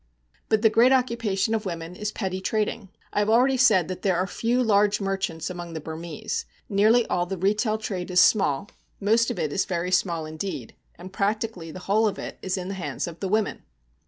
But the great occupation of women is petty trading. I have already said that there are few large merchants among the Burmese. Nearly all the retail trade is small, most of it is very small indeed, and practically the whole of it is in the hands of the women.